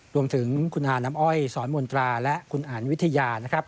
รวมถึงคุณฮาน้ำอ้อยสอนมนตราและคุณอันวิทยานะครับ